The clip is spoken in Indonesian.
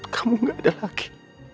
kamu gak ada lagi